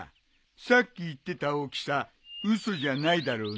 さっき言ってた大きさ嘘じゃないだろうね。